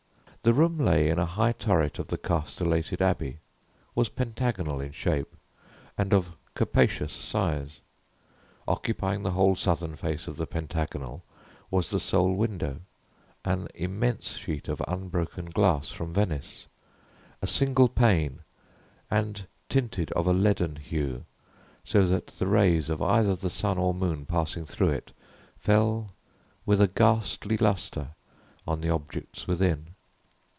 The room lay in a high turret of the castellated abbey, was pentagonal in shape, and of capacious size. Occupying the whole southern face of the pentagonal was the sole window an immense sheet of unbroken glass from Venice a single pane, and tinted of a leaden hue, so that the rays of either the sun or moon passing through it, fell with a ghastly luster on the objects within.